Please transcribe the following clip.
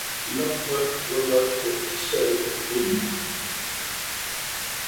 L’homme grelotte, seul et nu.